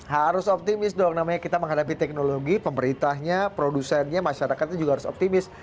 harus optimis dong namanya kita menghadapi teknologi pemerintahnya produsennya masyarakatnya juga harus optimis